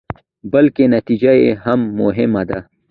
بلکې نتيجه يې هم مهمه ده.